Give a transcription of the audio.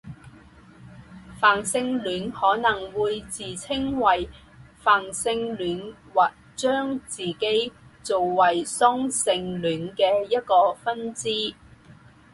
泛性恋可能会自称为泛性恋或将自己做为双性恋的一个分支。